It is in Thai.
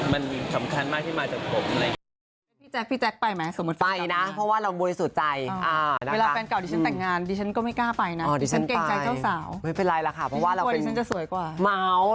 มันสำคัญมากที่มาจากผม